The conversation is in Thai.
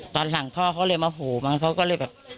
ตอนหลังพ่อเขาเลยมาโหมันก็เลยแบบ